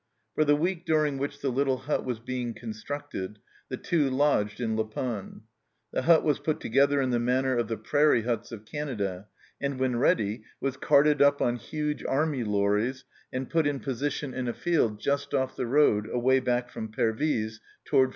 For the week during which the little hut was being constructed the Two lodged in La Panne. The hut was put together in the manner of the prairie huts of Canada, and, when ready, was carted up on huge army lorries and put in position in a field just off the road away back from Pervyse toward Furnes.